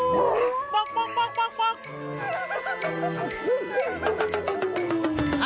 ฮ่าฮ่า